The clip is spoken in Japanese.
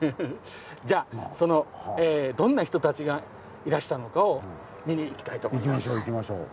じゃそのどんな人たちがいらしたのかを見に行きたいと思います。